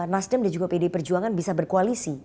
nasdem dan juga pdi perjuangan bisa berkoalisi